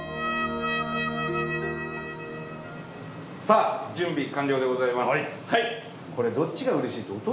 さあ準備完了でございます。